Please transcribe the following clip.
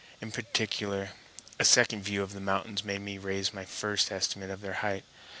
In particular a second view of the mountains made me raise my first estimate of their height.